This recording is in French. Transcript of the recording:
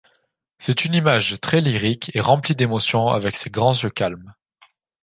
C'est une image très lyrique et remplie d'émotion avec ses grands yeux calmes.